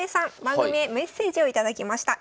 番組へメッセージを頂きました。